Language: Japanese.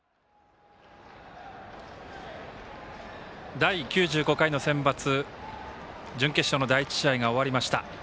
第９５回のセンバツ準決勝の第１試合が終わりました。